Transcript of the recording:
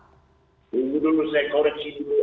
tunggu dulu saya koreksi dulu